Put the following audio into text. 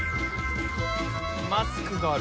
マスクがある。